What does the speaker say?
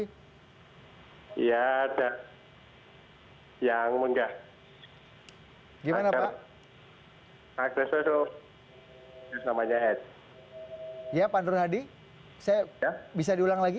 oh ya ada yang menggah gimana pak agresor namanya ya pak nur hadi saya bisa diulang lagi